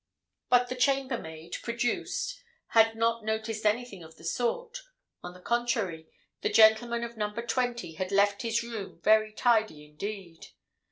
But the chambermaid, produced, had not noticed anything of the sort; on the contrary, the gentleman of Number 20 had left his room very tidy indeed.